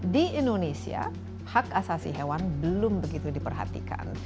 di indonesia hak asasi hewan belum begitu diperhatikan